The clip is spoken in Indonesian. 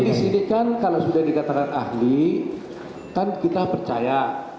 jadi disini kan kalau sudah dikatakan ahli kan kita percaya